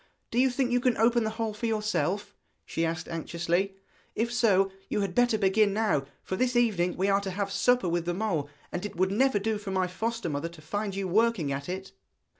Do you think you can open the hole for yourself?' she asked anxiously. 'If so, you had better begin now, for this evening we are to have supper with the mole, and it would never do for my foster mother to find you working at it.'